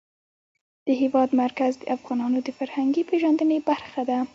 د هېواد مرکز د افغانانو د فرهنګي پیژندنې برخه ده.